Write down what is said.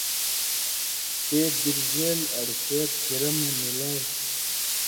تے بِرژیل اڑوۡ سیر ڇھیرہ مہ ملائ۔